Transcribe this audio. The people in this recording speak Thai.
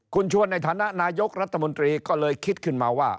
คุณชวนในฐานะนายกรัฐมนตรีก็เลยคิดขึ้นมาว่า